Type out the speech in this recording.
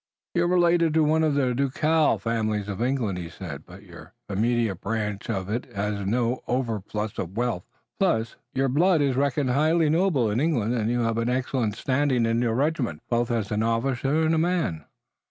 "You're related to one of the ducal families of England," he said, "but your own immediate branch of it has no overplus of wealth. Still, your blood is reckoned highly noble in England, and you have an excellent standing in your regiment, both as an officer and a man."